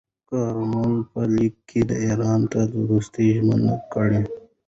کارمل په لیک کې ایران ته د دوستۍ ژمنه کړې.